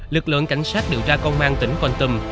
lực lượng cảnh sát điều tra công an tỉnh văn tùm